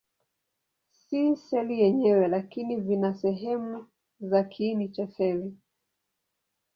Si seli yenyewe, lakini vina sehemu za kiini cha seli.